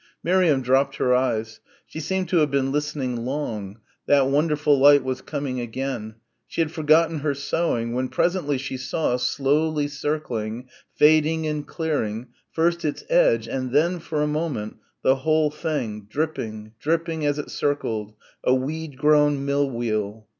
Miriam dropped her eyes she seemed to have been listening long that wonderful light was coming again she had forgotten her sewing when presently she saw, slowly circling, fading and clearing, first its edge, and then, for a moment the whole thing, dripping, dripping as it circled, a weed grown mill wheel....